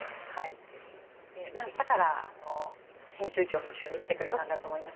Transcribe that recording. だから編集長も一緒に来てくれたんだと思いますけど。